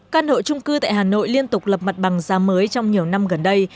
căn hộ trung cư tại hà nội liên tục lập mặt bằng giá mới trong nhiều năm gần đây